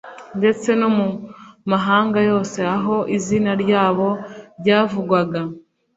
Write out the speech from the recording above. ndetse no mu mahanga yose aho izina ryabo ryavugwaga